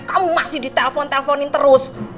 kamu masih ditelepon telponin terus